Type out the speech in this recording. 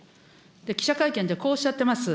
記者会見でこうおっしゃってます。